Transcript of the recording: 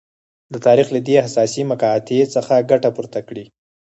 د تاریخ له دې حساسې مقطعې څخه ګټه پورته کړي.